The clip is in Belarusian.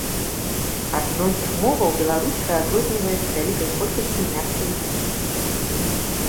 Ад многіх моваў беларуская адрозніваецца вялікай колькасцю мяккіх зычных.